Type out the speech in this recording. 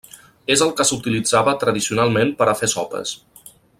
És el que s'utilitzava tradicionalment per a fer sopes.